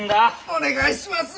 お願いします。